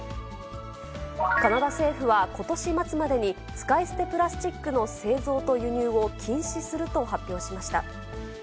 カナダ政府はことし末までに、使い捨てプラスチックの製造と輸入を禁止すると発表しました。